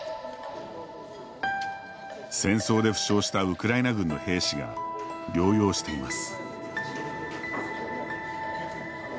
戦争で負傷したウクライナ軍の兵士が療養しています。